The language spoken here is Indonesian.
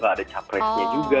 ada capresnya juga